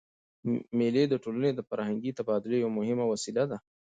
مېلې د ټولني د فرهنګي تبادلې یوه مهمه وسیله ده.